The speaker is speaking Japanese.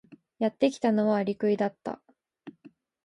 やってきたのはアリクイだった。